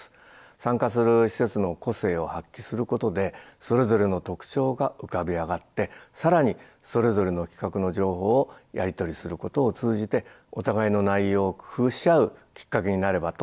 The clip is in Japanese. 参加する施設の個性を発揮することでそれぞれの特徴が浮かび上がって更にそれぞれの企画の情報をやり取りすることを通じてお互いの内容を工夫し合うきっかけになればと思っています。